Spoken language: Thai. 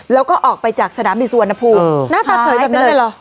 แล้วก็ออกไปจากสนามที่สวนภูมิเออหน้าตาเฉยแบบนั้นเลยเหรอ